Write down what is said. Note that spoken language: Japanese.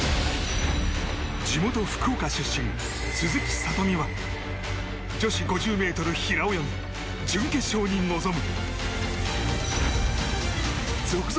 地元・福岡出身、鈴木聡美は女子５０ｍ平泳ぎ準決勝に臨む。